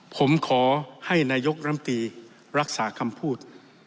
ผมขอให้นายกรัมตีรักษาคำพูด